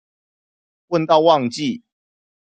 問到忘記